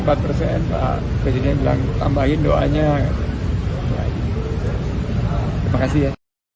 pak presiden bilang tambahin doanya makasih ya